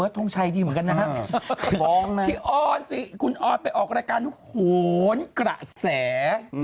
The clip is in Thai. ทงชัยดีเหมือนกันนะฮะพี่ออนสิคุณออนไปออกรายการโหนกระแส